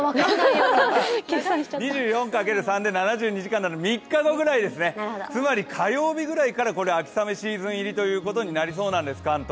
２４×３で７２時間なんで３日後ぐらいですね、つまり火曜日ぐらいから関東は秋雨シーズン入りになりそうなんです。